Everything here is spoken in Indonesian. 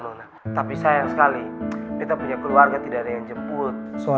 ya masa sahabatnya sendiri gak mau jemput sih